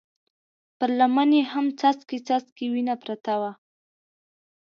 پر لمن يې هم څاڅکی څاڅکی وينه پرته وه.